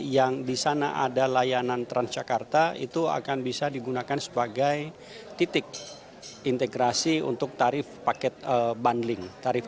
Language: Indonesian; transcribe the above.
yang akan diintegrasikan